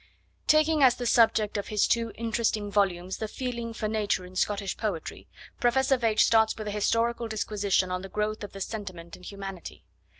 Taking as the subject of his two interesting volumes the feeling for Nature in Scottish Poetry, Professor Veitch starts with a historical disquisition on the growth of the sentiment in humanity.